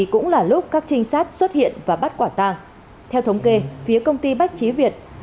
cả lúc các trinh sát xuất hiện và bắt quả tàng theo thống kê phía công ty bách chí việt